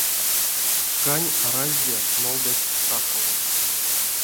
Шкань аразде нолдась сакалот.